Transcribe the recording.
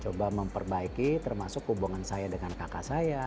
coba memperbaiki termasuk hubungan saya dengan kakak saya